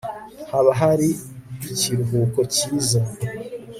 Haba hari ikiruhuko cyiza